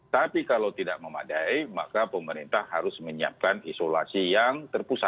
tapi kalau tidak memadai maka pemerintah harus menyiapkan isolasi yang terpusat